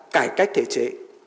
cải cách thể chế